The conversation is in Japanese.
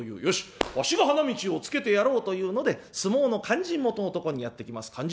よしわしが花道をつけてやろうというので相撲の勧進元のところにやって来ます。